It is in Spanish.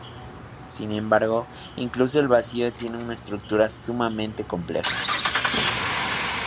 Sin embargo, incluso el vacío tiene una estructura sumamente compleja.